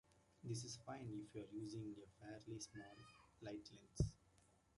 This is fine if you're using a fairly small, light lens.